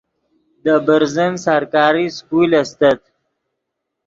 دے برزن سرکاری سکول استت